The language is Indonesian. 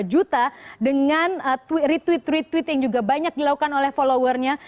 dua juta dengan tweet retweet yang juga banyak dilakukan oleh followernya